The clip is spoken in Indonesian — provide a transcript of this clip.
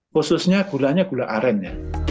khususnya gulanya gula aren